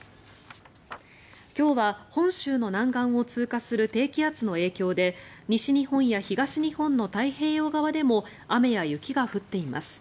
今日は本州の南岸を通過する低気圧の影響で西日本や東日本の太平洋側でも雨や雪が降っています。